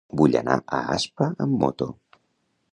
Vull anar a Aspa amb moto.